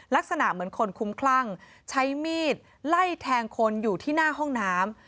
ลักษณะเหมือนคนคุ้มคลั่งใช้มีดไล่แทงคนอยู่ที่หน้าห้องน้ำ